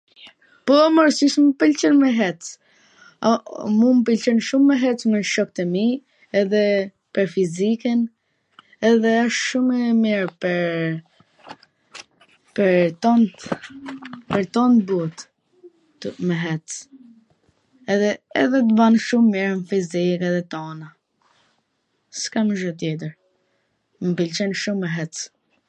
Po mor si s mw pwlqen me hec? Mu m pwlqen shum me hec me shokt e mi, edhe pwr fizikwn, edhe wsht shum e mir pwr tont pwr tont n bot, me hec, ban mir pwr fizikwn, s kam tjetwr me thwn, mw pwlqen shum me hec.